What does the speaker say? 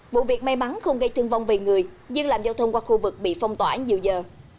vụ việc may mắn không gây thương vong về người nhưng làm giao thông qua khu vực bị phong tỏa nhiều giờ